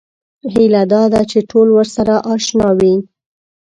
هیله دا ده چې ټول ورسره اشنا وي.